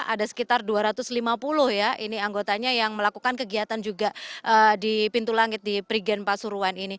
ada sekitar dua ratus lima puluh ya ini anggotanya yang melakukan kegiatan juga di pintu langit di prigen pasuruan ini